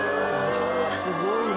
すごいな。